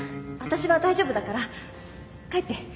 私は大丈夫だから帰って。